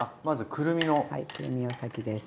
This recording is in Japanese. くるみが先です。